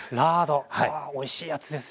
わあおいしいやつですよね。